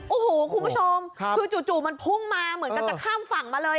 โอ้โหคุณผู้ชมคือจู่มันพุ่งมาเหมือนกันจะข้ามฝั่งมาเลย